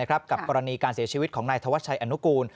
กับกรณีการเสียชีวิตของนายธวัชชัยอนุกูล